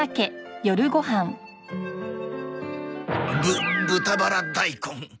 ぶ豚バラ大根。